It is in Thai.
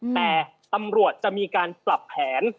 แต่ตำรวจจะมีการปรับแผน